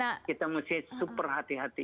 kita mesti super hati hati